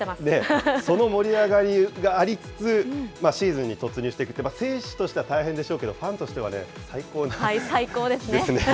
その盛り上がりがありつつ、シーズンに突入していくというのは、選手としては大変でしょうけ最高ですね。